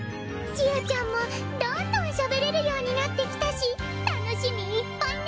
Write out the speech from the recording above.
ちあちゃんもどんどんしゃべれるようになってきたし楽しみいっぱいね。